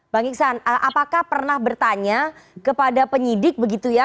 bang iksan apakah pernah bertanya kepada penyidik begitu ya